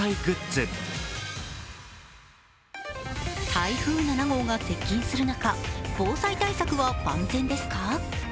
台風７号が接近する中防災対策は万全ですか？